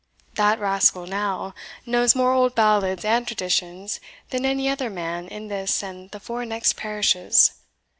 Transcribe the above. That rascal, now, knows more old ballads and traditions than any other man in this and the four next parishes.